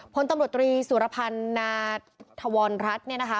ผลตำรวจตรีศุรพันนาฐวนรัฐ